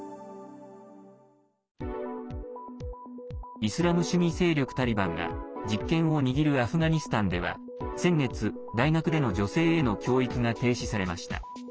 イスラム主義勢力タリバンが実権を握るアフガニスタンでは先月、大学での女性への教育が停止されました。